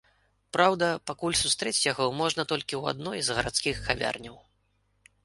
Праўда, пакуль сустрэць яго можна толькі ў адной з гарадскіх кавярняў.